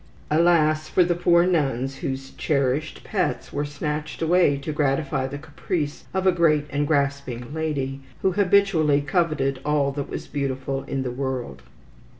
Alas for the poor nuns, whose cherished pets were snatched away to gratify the caprice of a great and grasping lady, who habitually coveted all that was beautiful in the world.